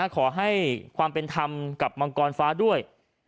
ขอให้ความเป็นธรรมกับมังกรฟ้าด้วย